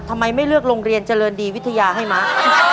ทำไมไม่เลือกโรงเรียนเจริญดีวิทยาให้มะ